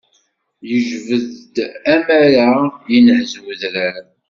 Yejbed-d amara yenhez udrar.